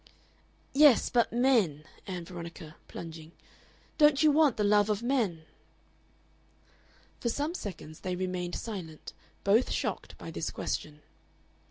"Yes, but men;" said Ann Veronica, plunging; "don't you want the love of men?" For some seconds they remained silent, both shocked by this question.